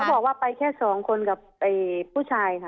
เขาบอกว่าไปแค่๒คนกับผู้ชายค่ะ